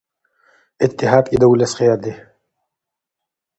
اتحاد کې د ولس خیر دی.